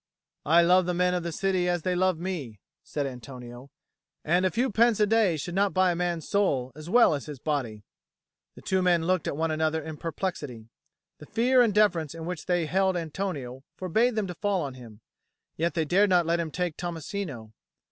"I love the men of the city as they love me," said Antonio. "And a few pence a day should not buy a man's soul as well as his body." The two men looked at one another in perplexity. The fear and deference in which they held Antonio forbade them to fall on him; yet they dared not let him take Tommasino.